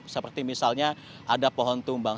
seperti misalnya ada pohon tumbang